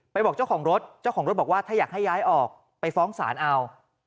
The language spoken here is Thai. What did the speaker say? บอกเจ้าของรถเจ้าของรถบอกว่าถ้าอยากให้ย้ายออกไปฟ้องศาลเอา